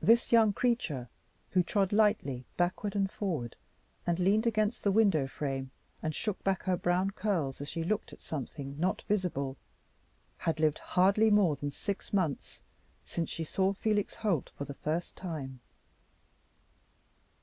This young creature, who trod lightly backward and forward, and leaned against the window frame, and shook back her brown curls as she looked at something not visible, had lived hardly more than six months since she saw Felix Holt for the first time.